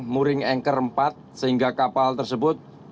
mooring anchor empat sehingga kapal tersebut